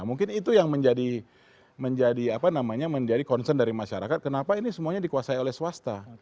mungkin itu yang menjadi concern dari masyarakat kenapa ini semuanya dikuasai oleh swasta